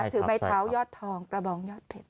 ถือไม้เท้ายอดทองกระบองยอดเพชร